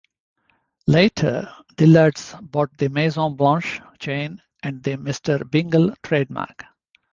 Later Dillard's bought the Maison Blanche chain and the Mr. Bingle trademark.